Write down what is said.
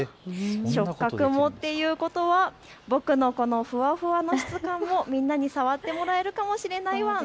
触覚もっていうことは僕のふわふわの質感もみんなに触ってもらえるかもしれないワン。